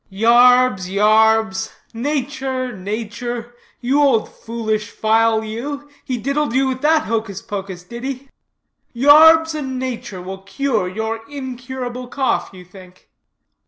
"Yarbs, yarbs; natur, natur; you foolish old file you! He diddled you with that hocus pocus, did he? Yarbs and natur will cure your incurable cough, you think."